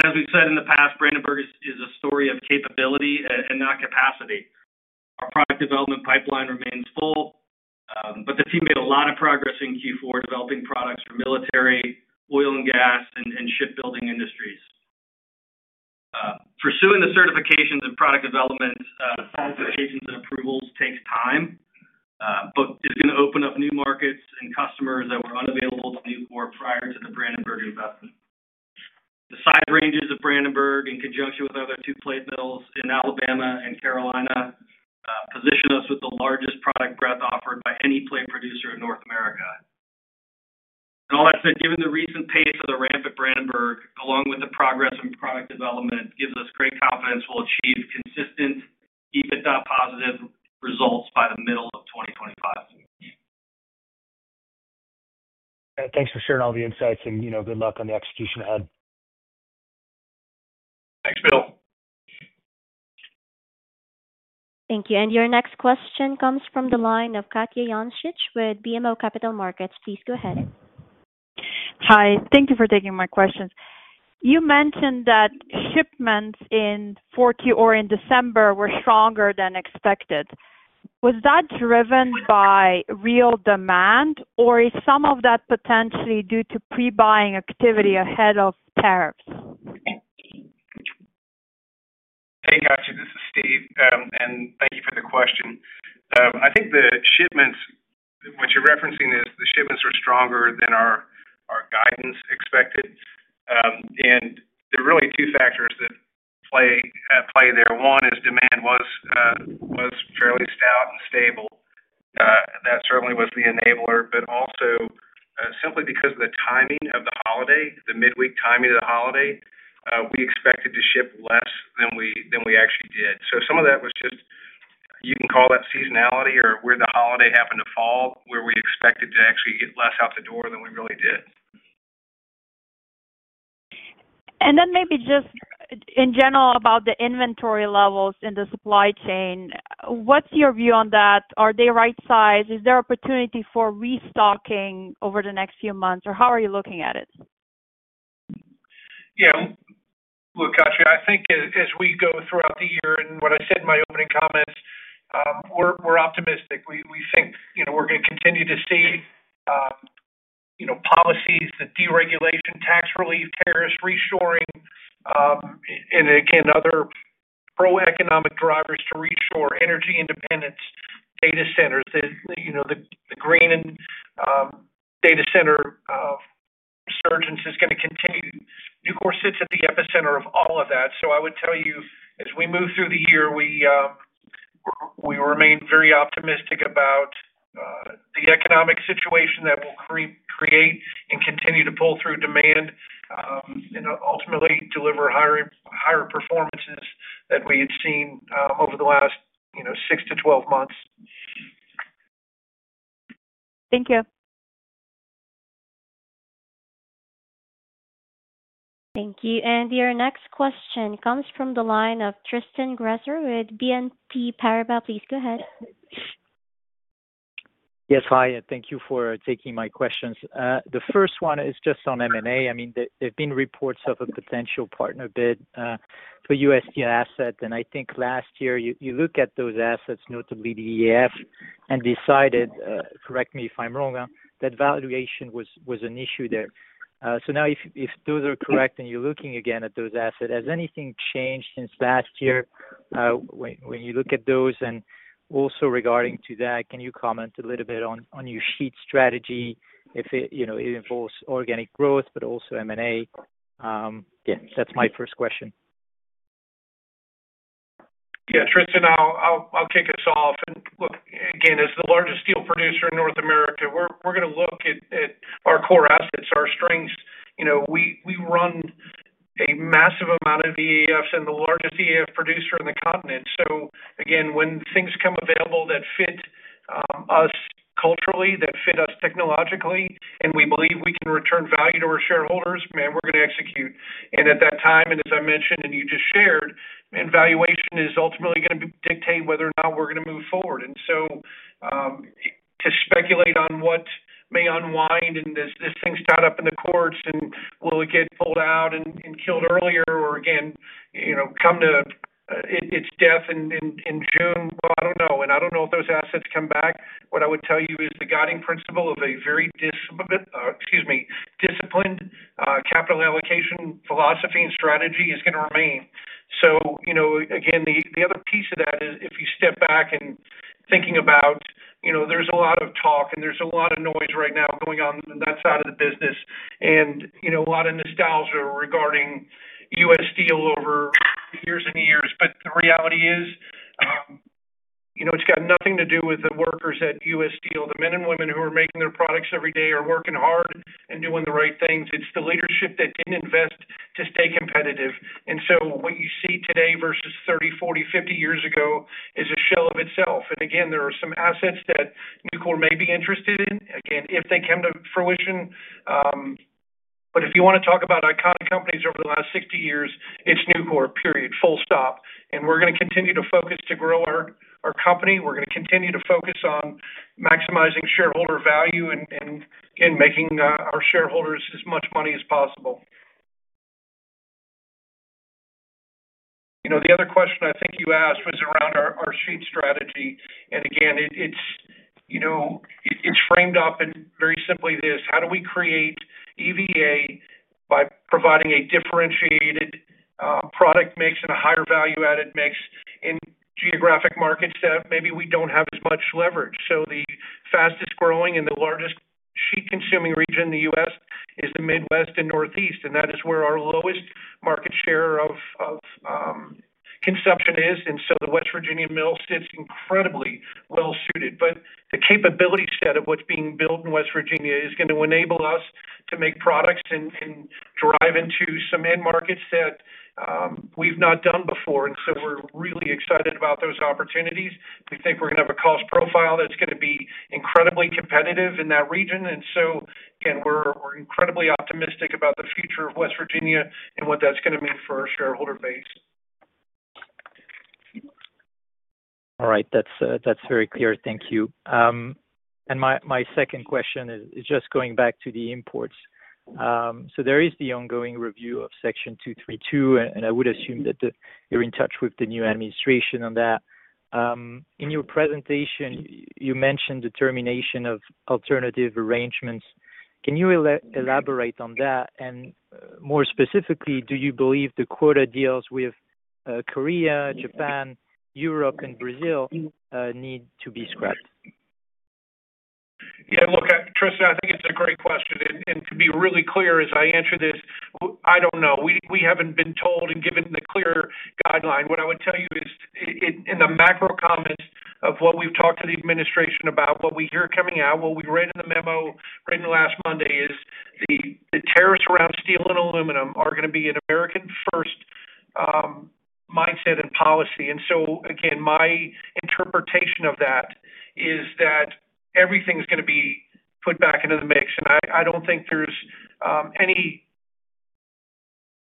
Speaker 10: As we've said in the past, Brandenburg is a story of capability and not capacity. Our product development pipeline remains full, but the team made a lot of progress in Q4 developing products for military, oil and gas, and shipbuilding industries. Pursuing the certifications and product development qualifications and approvals takes time, but it's going to open up new markets and customers that were unavailable to Nucor prior to the Brandenburg investment. The size ranges of Brandenburg, in conjunction with the other two plate mills in Alabama and Carolina, position us with the largest product breadth offered by any plate producer in North America. All that said, given the recent pace of the ramp at Brandenburg, along with the progress in product development, gives us great confidence we'll achieve consistent EBITDA positive results by the middle of 2025.
Speaker 8: Thanks for sharing all the insights. And good luck on the execution ahead.
Speaker 1: Thank you. And your next question comes from the line of Katja Jancic with BMO Capital Markets. Please go ahead.
Speaker 11: Hi. Thank you for taking my questions. You mentioned that shipments in 2024 or in December were stronger than expected. Was that driven by real demand, or is some of that potentially due to pre-buying activity ahead of tariffs?
Speaker 4: Hey, Katja. This is Steve, and thank you for the question. I think the shipments, what you're referencing is the shipments were stronger than our guidance expected, and there are really two factors that play there. One is demand was fairly stout and stable. That certainly was the enabler, but also, simply because of the timing of the holiday, the midweek timing of the holiday, we expected to ship less than we actually did. So some of that was just, you can call that seasonality or where the holiday happened to fall, where we expected to actually get less out the door than we really did.
Speaker 11: And then maybe just in general about the inventory levels in the supply chain, what's your view on that? Are they right size? Is there opportunity for restocking over the next few months? Or how are you looking at it?
Speaker 3: Yeah. Look, Katja, I think as we go throughout the year and what I said in my opening comments, we're optimistic. We think we're going to continue to see policies, the deregulation, tax relief, tariffs, reshoring, and again, other pro-economic drivers to reshore, energy independence, data centers. The grain and data center surges is going to continue. Nucor sits at the epicenter of all of that. So I would tell you, as we move through the year, we remain very optimistic about the economic situation that will create and continue to pull through demand and ultimately deliver higher performances than we had seen over the last six to 12 months.
Speaker 11: Thank you.
Speaker 1: Thank you. And your next question comes from the line of Tristan Gresser with BNP Paribas. Please go ahead.
Speaker 12: Yes. Hi. And thank you for taking my questions. The first one is just on M&A. I mean, there have been reports of a potential partner bid for U.S. Steel asset. And I think last year, you look at those assets, notably the EAF, and decided—correct me if I'm wrong—that valuation was an issue there. So now, if those are correct and you're looking again at those assets, has anything changed since last year when you look at those? And also regarding to that, can you comment a little bit on your sheet strategy if it involves organic growth, but also M&A? Yeah. That's my first question.
Speaker 3: Yeah. Tristan, I'll kick us off. And look, again, as the largest steel producer in North America, we're going to look at our core assets, our strengths. We run a massive amount of EAFs and the largest EAF producer on the continent. So again, when things come available that fit us culturally, that fit us technologically, and we believe we can return value to our shareholders, man, we're going to execute. And at that time, and as I mentioned, and you just shared, valuation is ultimately going to dictate whether or not we're going to move forward. And so to speculate on what may unwind and does this thing start up in the courts and will it get pulled out and killed earlier or again, come to its death in June, well, I don't know. And I don't know if those assets come back. What I would tell you is the guiding principle of a very, excuse me, disciplined capital allocation philosophy and strategy is going to remain. So again, the other piece of that is if you step back and think about there's a lot of talk and there's a lot of noise right now going on on that side of the business and a lot of nostalgia regarding U.S. Steel over years and years. But the reality is it's got nothing to do with the workers at U.S. Steel. The men and women who are making their products every day are working hard and doing the right things. It's the leadership that didn't invest to stay competitive. And so what you see today versus 30, 40, 50 years ago is a shell of itself. And again, there are some assets that Nucor may be interested in, again, if they come to fruition. But if you want to talk about iconic companies over the last 60 years, it's Nucor, period, full stop. And we're going to continue to focus to grow our company. We're going to continue to focus on maximizing shareholder value and making our shareholders as much money as possible. The other question I think you asked was around our sheet strategy. And again, it's framed up in very simply this: how do we create EVA by providing a differentiated product mix and a higher value-added mix in geographic markets that maybe we don't have as much leverage? So the fastest growing and the largest sheet-consuming region in the U.S. is the Midwest and Northeast. And that is where our lowest market share of consumption is. And so the West Virginia mill sits incredibly well-suited. But the capability set of what's being built in West Virginia is going to enable us to make products and drive into some end markets that we've not done before. And so we're really excited about those opportunities. We think we're going to have a cost profile that's going to be incredibly competitive in that region. And so again, we're incredibly optimistic about the future of West Virginia and what that's going to mean for our shareholder base.
Speaker 12: All right. That's very clear. Thank you. And my second question is just going back to the imports. So there is the ongoing review of Section 232, and I would assume that you're in touch with the new administration on that. In your presentation, you mentioned the termination of alternative arrangements. Can you elaborate on that? And more specifically, do you believe the quota deals with Korea, Japan, Europe, and Brazil need to be scrapped?
Speaker 3: Yeah. Look, Tristan, I think it's a great question. And to be really clear as I answer this, I don't know. We haven't been told and given the clear guideline. What I would tell you is in the macro comments of what we've talked to the administration about, what we hear coming out, what we read in the memo written last Monday is the tariffs around steel and aluminum are going to be an America First mindset and policy. And so again, my interpretation of that is that everything's going to be put back into the mix. And I don't think there's any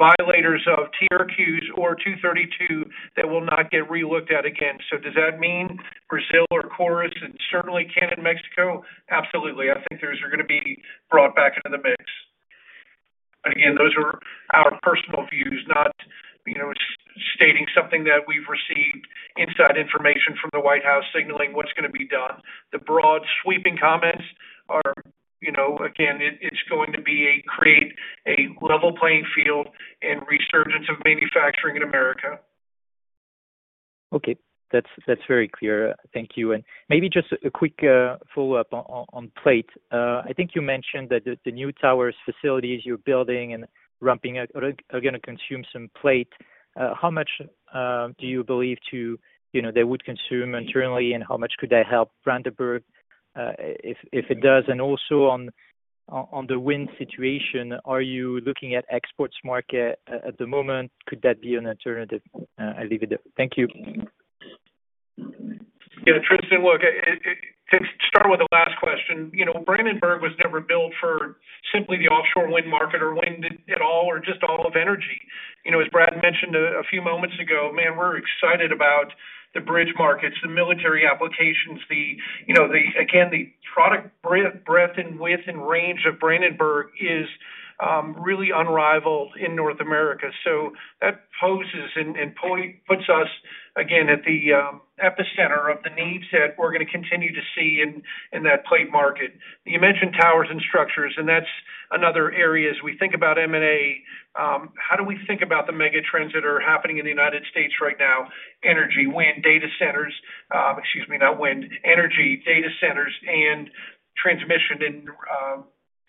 Speaker 3: violators of TRQs or 232 that will not get relooked at again. So does that mean Brazil or Korea and certainly Canada and Mexico? Absolutely. I think those are going to be brought back into the mix. But again, those are our personal views, not stating something that we've received inside information from the White House signaling what's going to be done. The broad sweeping comments are, again, it's going to create a level playing field and resurgence of manufacturing in America.
Speaker 12: Okay. That's very clear. Thank you. And maybe just a quick follow-up on plate. I think you mentioned that the new towers facilities you're building and ramping are going to consume some plate. How much do you believe they would consume internally, and how much could they help Brandenburg if it does? And also on the wind situation, are you looking at exports market at the moment? Could that be an alternative? I leave it there. Thank you.
Speaker 3: Yeah. Tristan, look, to start with the last question, Brandenburg was never built for simply the offshore wind market or wind at all or just all of energy. As Brad mentioned a few moments ago, man, we're excited about the bridge markets, the military applications. Again, the product breadth and width and range of Brandenburg is really unrivaled in North America. So that poses and puts us, again, at the epicenter of the needs that we're going to continue to see in that plate market. You mentioned towers and structures, and that's another area as we think about M&A. How do we think about the megatrends that are happening in the United States right now? Energy, wind, data centers, excuse me, not wind, energy, data centers, and transmission, and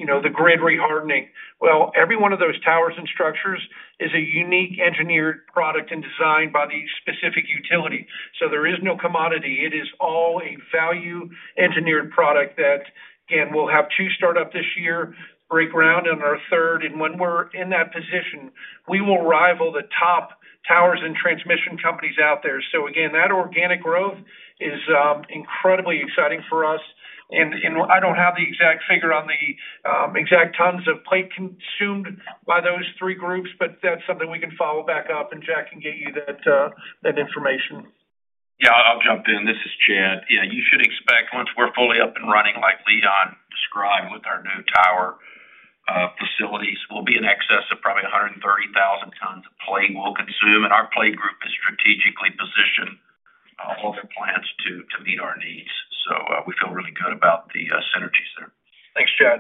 Speaker 3: the grid re-hardening. Well, every one of those towers and structures is a unique engineered product and designed by the specific utility. So there is no commodity. It is all a value-engineered product that, again, we'll have two startups this year break ground on our third. And when we're in that position, we will rival the top towers and transmission companies out there. So again, that organic growth is incredibly exciting for us. And I don't have the exact figure on the exact tons of plate consumed by those three groups, but that's something we can follow back up, and Jack can get you that information.
Speaker 13: Yeah. I'll jump in. This is Chad. Yeah. You should expect, once we're fully up and running like Leon described with our new tower facilities, we'll be in excess of probably 130,000 tons of plate we'll consume. And our plate group is strategically positioned all their plants to meet our needs. So we feel really good about the synergies there.
Speaker 3: Thanks, Chad.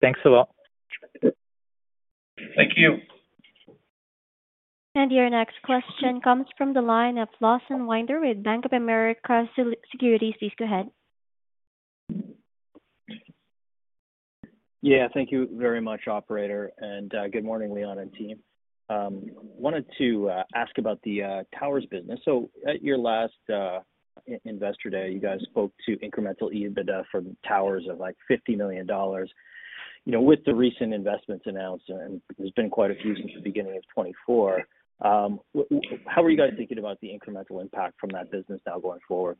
Speaker 12: Thanks a lot.
Speaker 13: Thank you.
Speaker 1: Your next question comes from the line of Lawson Winder with Bank of America Securities. Please go ahead.
Speaker 14: Yeah. Thank you very much, Operator. And good morning, Leon and team. I wanted to ask about the towers business. So at your last investor day, you guys spoke to incremental EBITDA for towers of like $50 million. With the recent investments announced, and there's been quite a few since the beginning of 2024, how are you guys thinking about the incremental impact from that business now going forward?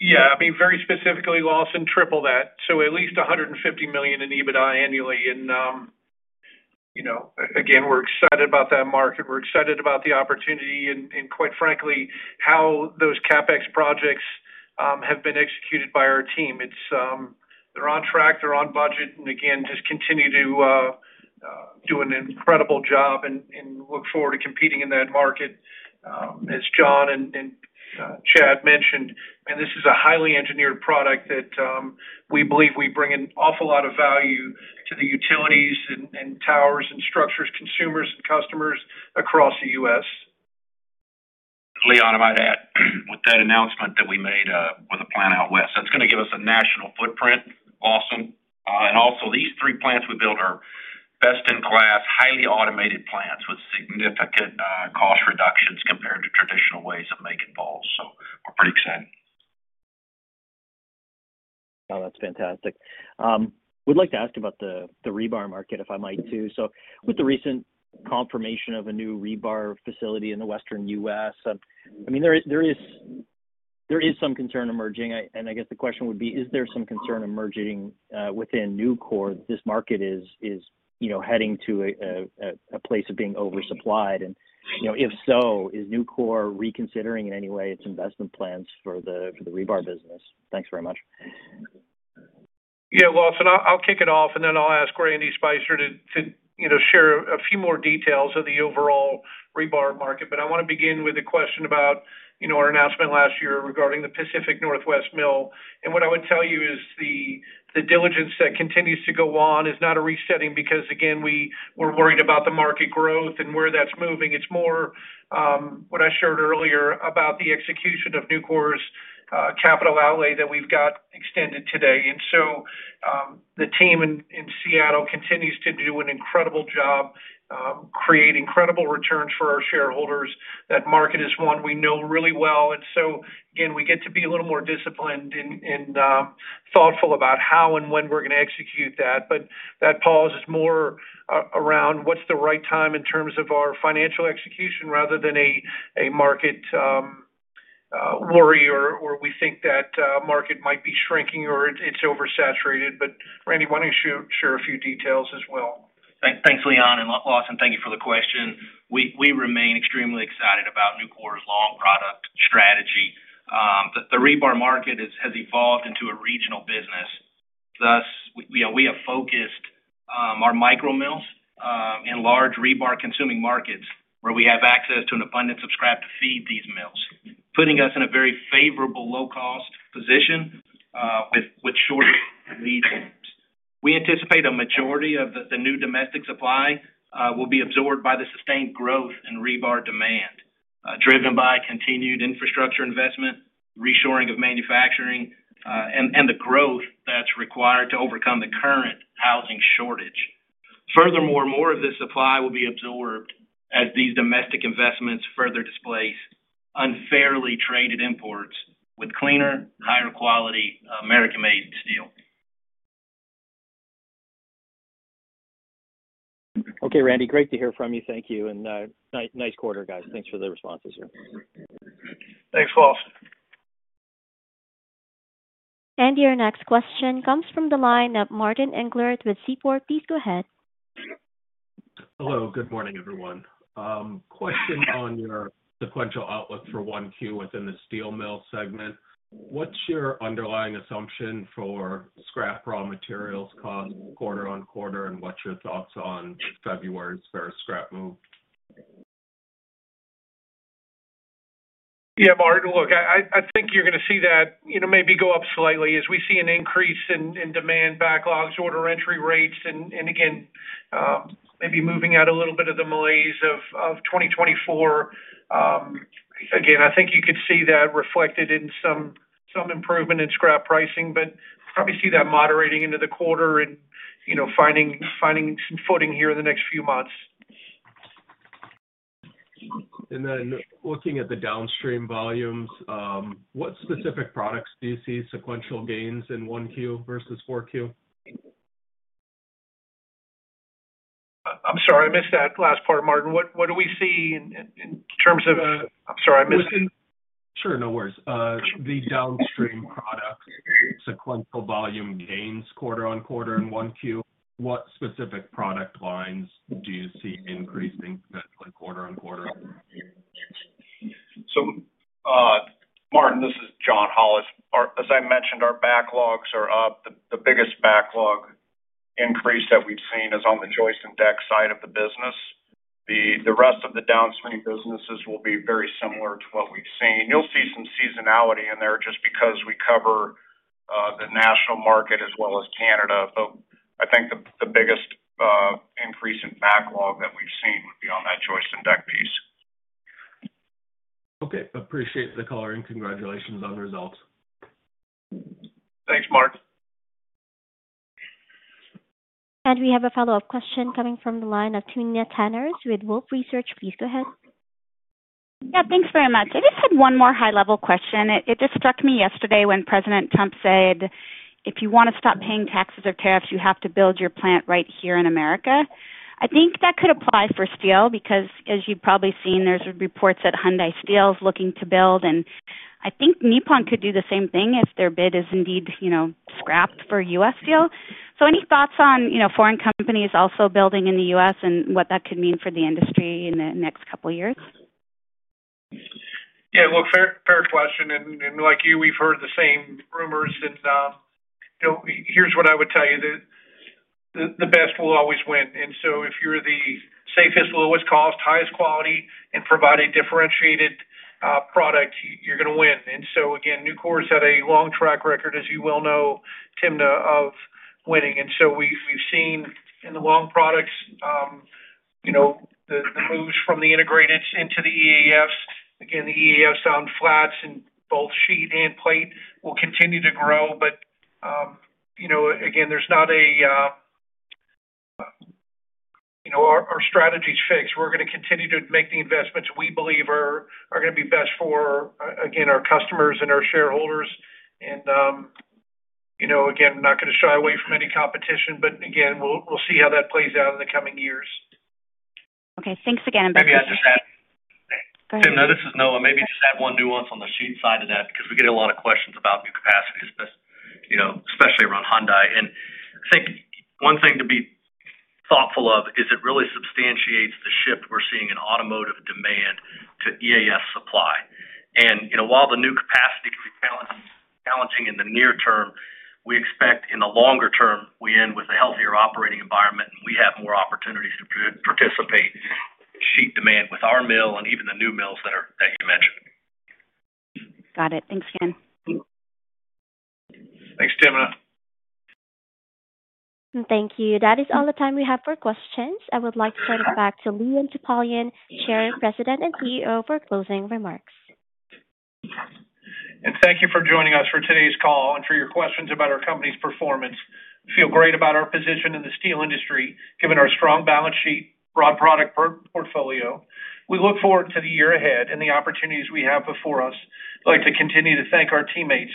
Speaker 3: Yeah. I mean, very specifically, Lawson tripled that. So at least $150 million in EBITDA annually. And again, we're excited about that market. We're excited about the opportunity and, quite frankly, how those CapEx projects have been executed by our team. They're on track. They're on budget. And again, just continue to do an incredible job and look forward to competing in that market. As John and Chad mentioned, man, this is a highly engineered product that we believe we bring an awful lot of value to the utilities and towers and structures, consumers, and customers across the U.S.
Speaker 13: Leon, I might add, with that announcement that we made with the plant out west, that's going to give us a national footprint, Lawson, and also, these three plants we built are best-in-class, highly automated plants with significant cost reductions compared to traditional ways of making bars, so we're pretty excited.
Speaker 14: Oh, that's fantastic. Would like to ask about the rebar market, if I might, too. So with the recent confirmation of a new rebar facility in the western U.S., I mean, there is some concern emerging. And I guess the question would be, is there some concern emerging within Nucor that this market is heading to a place of being oversupplied? And if so, is Nucor reconsidering in any way its investment plans for the rebar business? Thanks very much.
Speaker 3: Yeah. Lawson, I'll kick it off, and then I'll ask Randy Spicer to share a few more details of the overall rebar market. But I want to begin with a question about our announcement last year regarding the Pacific Northwest mill, and what I would tell you is the diligence that continues to go on is not a resetting because, again, we're worried about the market growth and where that's moving. It's more what I shared earlier about the execution of Nucor's capital outlay that we've got extended today, and so the team in Seattle continues to do an incredible job, create incredible returns for our shareholders. That market is one we know really well, and so again, we get to be a little more disciplined and thoughtful about how and when we're going to execute that. But that pause is more around what's the right time in terms of our financial execution rather than a market worry or we think that market might be shrinking or it's oversaturated. But Randy, why don't you share a few details as well?
Speaker 15: Thanks, Leon. And Lawson, thank you for the question. We remain extremely excited about Nucor's long product strategy. The rebar market has evolved into a regional business. Thus, we have focused our micro mills in large rebar-consuming markets where we have access to an abundance of scrap to feed these mills, putting us in a very favorable low-cost position with shorter lead times. We anticipate a majority of the new domestic supply will be absorbed by the sustained growth in rebar demand driven by continued infrastructure investment, reshoring of manufacturing, and the growth that's required to overcome the current housing shortage. Furthermore, more of this supply will be absorbed as these domestic investments further displace unfairly traded imports with cleaner, higher-quality American-made steel.
Speaker 14: Okay, Randy. Great to hear from you. Thank you. Nice quarter, guys. Thanks for the responses here.
Speaker 3: Thanks, Lawson.
Speaker 1: And your next question comes from the line of Martin Englert with Seaport. Please go ahead.
Speaker 16: Hello. Good morning, everyone. Question on your sequential outlook for 1Q within the steel mill segment. What's your underlying assumption for scrap raw materials cost quarter on quarter, and what's your thoughts on February's first scrap move?
Speaker 3: Yeah, Martin, look, I think you're going to see that maybe go up slightly as we see an increase in demand backlogs, order entry rates, and again, maybe moving out a little bit of the malaise of 2024. Again, I think you could see that reflected in some improvement in scrap pricing, but probably see that moderating into the quarter and finding some footing here in the next few months.
Speaker 16: And then looking at the downstream volumes, what specific products do you see sequential gains in 1Q versus 4Q?
Speaker 3: I'm sorry. I missed that last part, Martin. What do we see in terms of? I'm sorry. I missed it.
Speaker 16: Sure. No worries. The downstream product sequential volume gains quarter on quarter in 1Q. What specific product lines do you see increasing quarter on quarter?
Speaker 9: So, Martin, this is John Hollatz. As I mentioned, our backlogs are up. The biggest backlog increase that we've seen is on the joist and deck side of the business. The rest of the downstream businesses will be very similar to what we've seen. You'll see some seasonality in there just because we cover the national market as well as Canada. But I think the biggest increase in backlog that we've seen would be on that joist and deck piece.
Speaker 16: Okay. Appreciate the color and congratulations on the results.
Speaker 9: Thanks, Mark.
Speaker 1: We have a follow-up question coming from the line of Timna Tanners with Wolfe Research. Please go ahead.
Speaker 5: Yeah. Thanks very much. I just had one more high-level question. It just struck me yesterday when President Trump said, "If you want to stop paying taxes or tariffs, you have to build your plant right here in America." I think that could apply for steel because, as you've probably seen, there's reports that Hyundai Steel is looking to build. And I think Nippon Steel could do the same thing if their bid is indeed scrapped for U.S. Steel. So any thoughts on foreign companies also building in the U.S. and what that could mean for the industry in the next couple of years?
Speaker 3: Yeah. Look, fair question. And like you, we've heard the same rumors. And here's what I would tell you: the best will always win. And so if you're the safest, lowest cost, highest quality, and provide a differentiated product, you're going to win. And so again, Nucor has had a long track record, as you well know, Timna, of winning. And so we've seen in the long products the moves from the integrated into the EAFs. Again, the EAFs on flats and both sheet and plate will continue to grow. But again, there's not a. Our strategy is fixed. We're going to continue to make the investments we believe are going to be best for, again, our customers and our shareholders. And again, we're not going to shy away from any competition. But again, we'll see how that plays out in the coming years.
Speaker 5: Okay. Thanks again
Speaker 7: Maybe I just add.
Speaker 3: Go ahead.
Speaker 7: Timna, this is Noah. Maybe just add one nuance on the sheet side of that because we get a lot of questions about new capacity, especially around Hyundai. And I think one thing to be thoughtful of is it really substantiates the shift we're seeing in automotive demand to EAF supply. And while the new capacity can be challenging in the near term, we expect in the longer term, we end with a healthier operating environment, and we have more opportunities to participate in sheet demand with our mill and even the new mills that you mentioned.
Speaker 5: Got it. Thanks again.
Speaker 7: Thanks, Timna.
Speaker 1: Thank you. That is all the time we have for questions. I would like to turn it back to Leon Topalian, Chair, President, and CEO, for closing remarks.
Speaker 3: And thank you for joining us for today's call and for your questions about our company's performance. We feel great about our position in the steel industry, given our strong balance sheet, broad product portfolio. We look forward to the year ahead and the opportunities we have before us. I'd like to continue to thank our teammates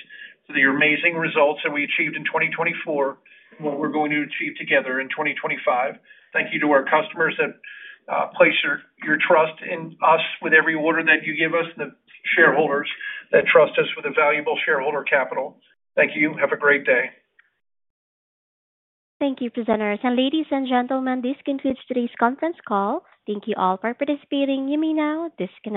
Speaker 3: for the amazing results that we achieved in 2024 and what we're going to achieve together in 2025. Thank you to our customers that place your trust in us with every order that you give us and the shareholders that trust us with a valuable shareholder capital. Thank you. Have a great day.
Speaker 1: Thank you, presenters. And ladies and gentlemen, this concludes today's conference call. Thank you all for participating. You may now disconnect.